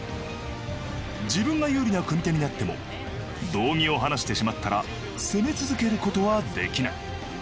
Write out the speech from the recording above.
自分が有利な組み手になっても道着を離してしまったら攻め続けることはできない。